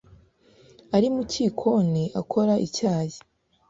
ari mu gikoni akora icyayi.